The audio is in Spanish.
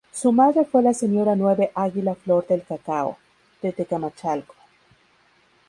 Su madre fue la Señora Nueve Águila-Flor del Cacao, de Tecamachalco.